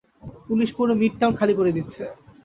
Police পুরো midtown খালি করে দিচ্ছে।